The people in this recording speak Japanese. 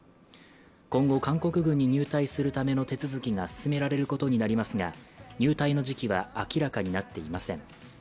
今後、韓国軍に入隊するための手続きが進められることになりますが入隊の時期は明らかになっていません。